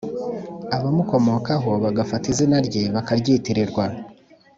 abamukomokaho bagafata izina rye bakaryitirirwa